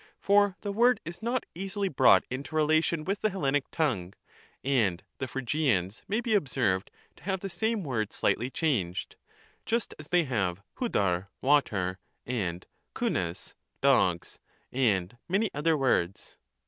for the word is not easily brought into relation with the Hellenic tongue, and the Phrygians may be observed to have the same word slightly changed, just as they have {Sdojp (water) and Kvveg (dogs), and many other words.